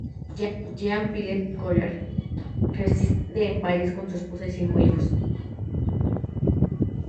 Jean-Philippe Collard reside en París con su esposa y cinco hijos.